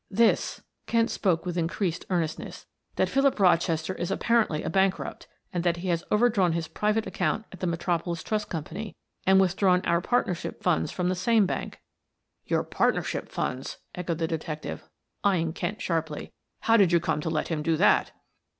"This," Kent spoke with increased earnestness. "That Philip Rochester is apparently a bankrupt, that he has over drawn his private account at the Metropolis Trust Company, and withdrawn our partnership funds from the same bank." "Your partnership funds!" echoed the detective, eyeing Kent sharply. "How did you come to let him do that?"